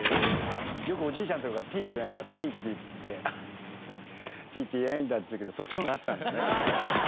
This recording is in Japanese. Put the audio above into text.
よくおじいちゃんとかがＴって言えないから丁って言っててＴって言えないんだって言うけどそっちの方が合ってたんだね。